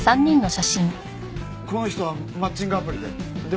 この人はマッチングアプリで。